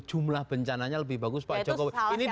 jumlah bencananya lebih bagus pak jokowi ini